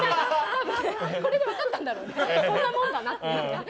これで分かったんだろうねこんなもんだろうなって。